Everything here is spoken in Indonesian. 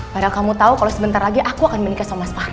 padahal kamu tahu kalau sebentar lagi aku akan menikah sama spa